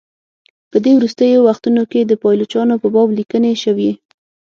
په دې وروستیو وختونو کې د پایلوچانو په باب لیکني شوي.